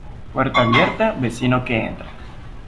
Puerta abierta, vecino que entra.